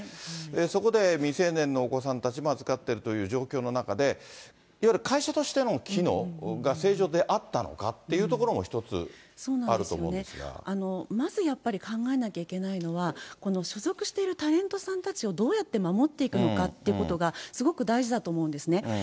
そこで未成年のお子さんたちも預かっているという状況の中で、いわゆる会社としての機能が正常であったのかっていうところも、そうなんですよね、まずやっぱり考えなきゃいけないのは、所属しているタレントさんたちをどうやって守っていくのかってことが、すごく大事だと思うんですね。